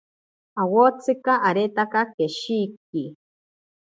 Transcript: Awotsika areta keshiki.